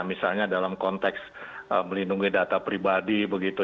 misalnya dalam konteks melindungi data pribadi begitu